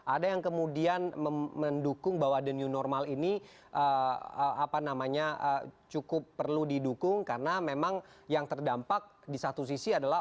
ada yang kemudian mendukung bahwa the new normal ini cukup perlu didukung karena memang yang terdampak di satu sisi adalah